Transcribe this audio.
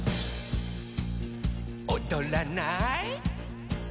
「おどらない？」